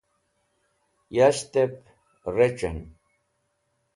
yas̃ht'ep rec̃h'en